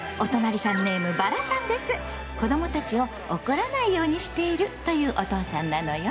子どもたちを怒らないようにしているというお父さんなのよ！